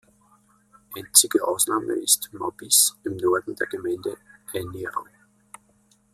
Einzige Ausnahme ist Maubisse im Norden der Gemeinde Ainaro.